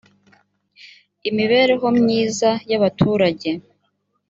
imibereho myiza y abaturage